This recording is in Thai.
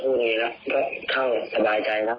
คือมันมีความคิง